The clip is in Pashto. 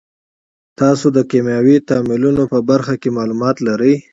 تاسې د کیمیاوي تعاملونو په برخه کې معلومات لرئ.